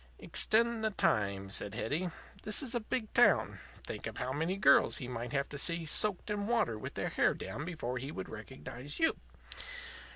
"Extend the time," said Hetty. "This is a big town. Think of how many girls he might have to see soaked in water with their hair down before he would recognize you.